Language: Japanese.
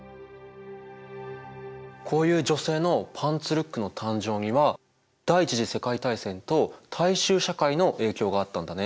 こういう女性のパンツルックの誕生には第一次世界大戦と大衆社会の影響があったんだね。